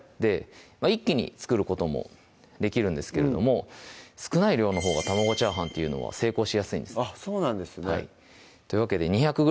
一気に作ることもできるんですけれども少ない量のほうが卵炒飯っていうのは成功しやすいんですそうなんですねというわけで２００ｇ